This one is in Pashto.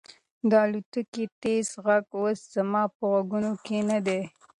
د الوتکې تېز غږ اوس زما په غوږونو کې نه دی.